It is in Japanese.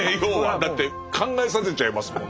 だって考えさせちゃいますもんね。